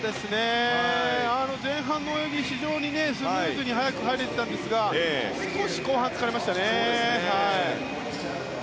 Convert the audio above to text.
前半の泳ぎは非常にスムーズに早く入れていたんですが少し後半、疲れましたね。